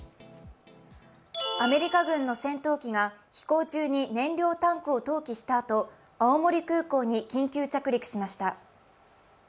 アメリカ軍の戦闘機が飛行中に燃料タンクを投棄したあと青森空港に緊急着陸しました。